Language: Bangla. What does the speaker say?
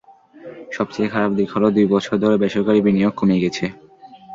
সবচেয়ে খারাপ দিক হলো, দুই বছর ধরে বেসরকারি বিনিয়োগ কমে গেছে।